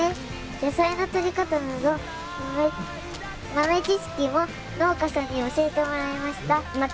「野菜の採り方など豆知識も農家さんに教えてもらいました」